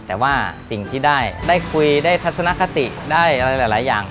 แต่ว่าสิ่งที่ได้คุยได้ทัศนคติได้อะไรหลายอย่าง